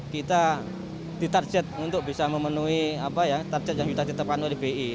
kita di target untuk bisa memenuhi target yang sudah ditetapkan oleh bi